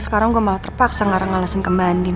sekarang gue malah terpaksa ngarah ngalasan ke bandin